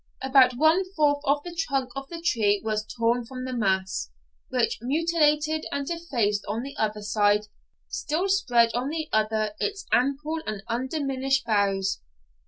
About one fourth of the trunk of the tree was torn from the mass, which, mutilated and defaced on the one side, still spread on the other its ample and undiminished boughs.